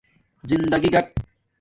زندگݵ گھاٹ